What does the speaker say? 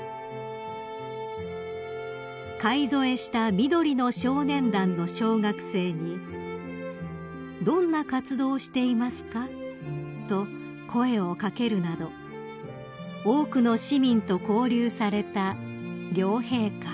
［介添えした緑の少年団の小学生に「どんな活動をしていますか？」と声を掛けるなど多くの市民と交流された両陛下］